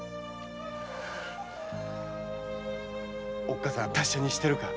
おっかさん達者にしてるか？